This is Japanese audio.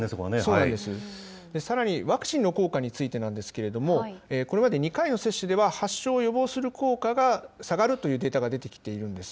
さらに、ワクチンの効果についてなんですけれども、これまで２回の接種では、発症を予防する効果が下がるというデータが出てきているんです。